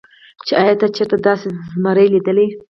چې ايا تا چرته داسې زمرے ليدلے